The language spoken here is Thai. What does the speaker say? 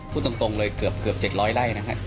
พูดตรงเลยเกือบ๗๐๐ไร่นะฮะ